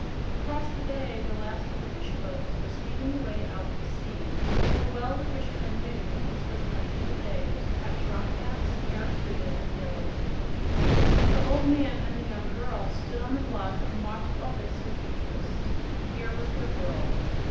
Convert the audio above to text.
Across the bay the last of the fisherboats was speeding away out to sea, for well the fishermen knew this was an ideal day to catch rockbass, barracuda and yellowtail. The old man and the young girl stood on the bluff and watched all this with interest. Here was their world.